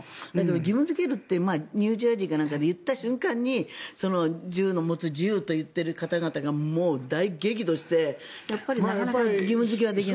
義務付けるとニュージャージーなんかで言った瞬間に銃を持つ自由といっている方々がもう大激怒してなかなか義務付けはできない。